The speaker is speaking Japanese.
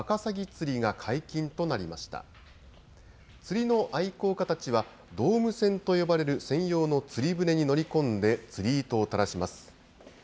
釣りの愛好家たちはドーム船と呼ばれる専用の釣り船に乗り込んで、釣り糸を垂らします。